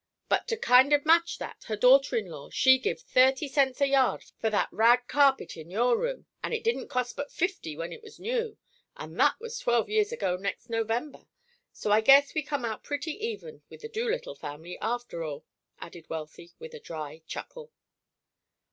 But to kind of match that, her daughter in law, she giv' thirty cents a yard for that rag carpet in your room, and it didn't cost but fifty when it was new, and that was twelve years ago next November! So I guess we come out pretty even with the Doolittle family, after all!" added Wealthy, with a dry chuckle.